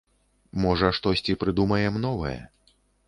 Можа штосьці прыдумаем новае.